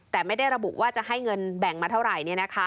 แต่ไม่ได้ระบุว่าจะให้เงินแบ่งมาเท่าไหร่